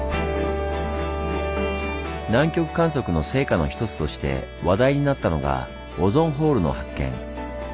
南極観測の成果の一つとして話題になったのがオゾンホールの発見。